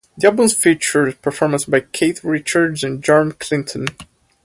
The albums featured performances by Keith Richards, and George Clinton.